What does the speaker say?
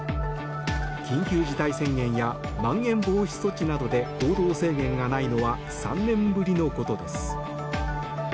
緊急事態宣言やまん延防止措置などで行動制限がないのは３年ぶりのことです。